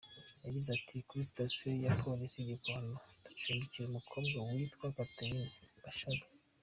Yagize ati “Kuri station ya Polisi i Gikondo, ducumbikiye umukobwa witwa Catherine Bashabe.